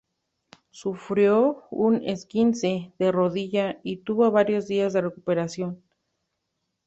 Sufrió un esguince de rodilla y tuvo varios días de recuperación.